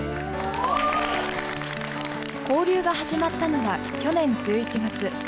交流が始まったのは、去年１１月。